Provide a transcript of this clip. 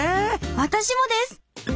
私もです！